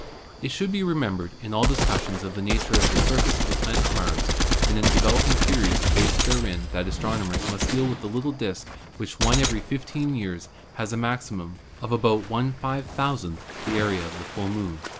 It should be remembered in all discussions of the nature of the surface of the planet Mars and in developing theo ries based thereon that astronomers must deal with a little disk which once in fifteen years has a maximum of about Vuooo the area of the full Moon.